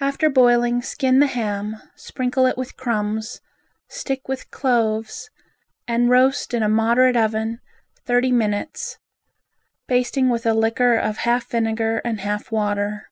After boiling, skin the ham, sprinkle it with crumbs, stick with cloves and roast in a moderate oven, thirty minutes, basting with a liquor of half vinegar and half water.